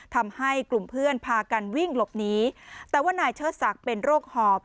ทำให้กลุ่มเพื่อนพากันวิ่งหลบหนีแต่ว่านายเชิดศักดิ์เป็นโรคหอบ